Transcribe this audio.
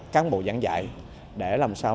cán bộ giảng dạy để làm sao